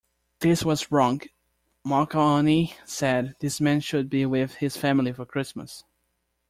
"This was wrong", McAlhany said, "This man should be with his family for Christmas.